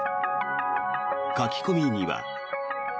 書き込みには。